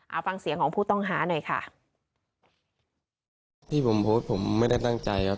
เอาฟังเสียงของผู้ต้องหาหน่อยค่ะที่ผมโพสต์ผมไม่ได้ตั้งใจครับ